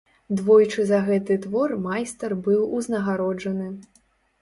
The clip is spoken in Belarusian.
Двойчы за гэты твор майстар быў узнагароджаны.